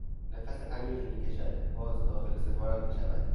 نفس عمیقی میکشد باز داخل سفارت میشود